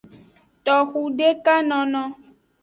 Toxudekanono.